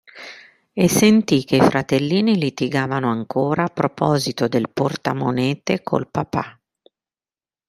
E sentì che i fratellini litigavano ancora a proposito del portamonete col papa.